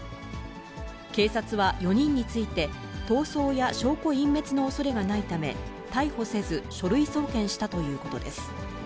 警察は４人について、逃走や証拠隠滅のおそれがないため、逮捕せず書類送検したということです。